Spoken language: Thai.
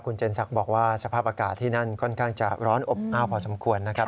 เจนศักดิ์บอกว่าสภาพอากาศที่นั่นค่อนข้างจะร้อนอบอ้าวพอสมควรนะครับ